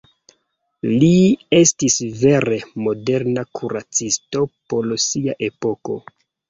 Li estis vere moderna kuracisto por sia epoko.